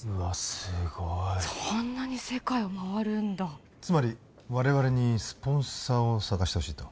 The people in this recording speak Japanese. すごいそんなに世界を回るんだつまり我々にスポンサーを探してほしいと？